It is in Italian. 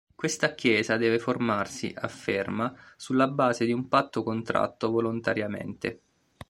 Questa chiesa deve formarsi, afferma, sulla base di un patto contratto volontariamente.